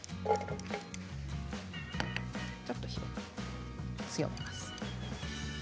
ちょっと火を強めます。